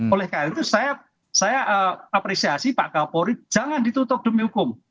oleh karena itu saya apresiasi pak kapolri jangan ditutup demi hukum